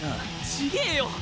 違えよ！